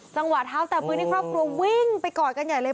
สังหวะเท้าแต่พื้นที่ครอบครัววิ่งไปกอดกันใหญ่เลย